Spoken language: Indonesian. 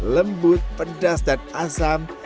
lembut pedas dan asam